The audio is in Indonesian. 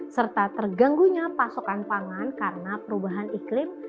serta terganggunya pasokan pangan karena perubahan iklim